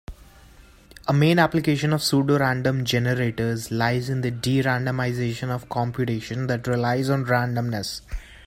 A main application of pseudorandom generators lies in the de-randomization of computation that relies on randomness.